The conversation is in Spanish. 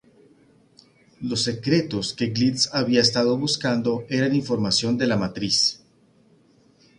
Los "secretos" que Glitz había estado buscando eran información de la Matriz.